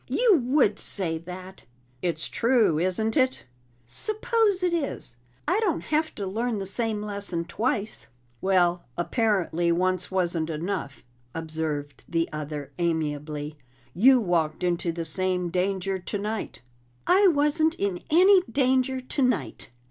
"You would say that!" "It's true, isn't it?" "Suppose it is! I don't have to learn the same lesson twice." "Well, apparently once wasn't enough," observed the other amiably. "You walked into the same danger tonight." "I wasn't in any danger tonight!"